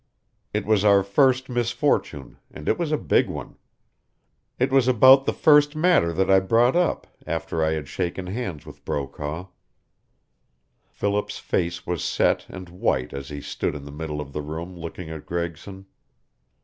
It was our first misfortune, and it was a big one. It was about the first matter that I brought up after I had shaken hands with Brokaw." Philip's face was set and white as he stood in the middle of the room looking at Gregson.